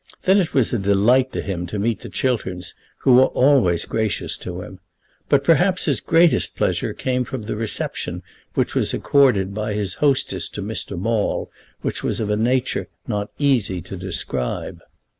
Then it was a delight to him to meet the Chilterns, who were always gracious to him. But perhaps his greatest pleasure came from the reception which was accorded by his hostess to Mr. Maule, which was of a nature not easy to describe.